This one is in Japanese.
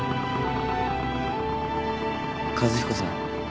和彦さん